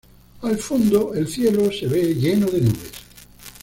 Al fondo, el cielo se ve lleno de nubes.